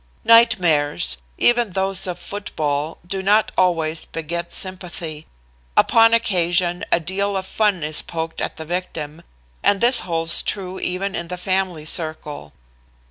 Nightmares, even those of football, do not always beget sympathy. Upon occasion a deal of fun is poked at the victim, and this holds true even in the family circle.